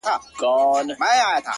• كه په رنگ باندي زه هر څومره تورېږم،